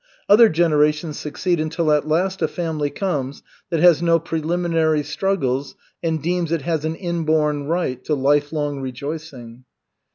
Other generations succeed until at last a family comes that has no preliminary struggles and deems it has an inborn right to lifelong rejoicing.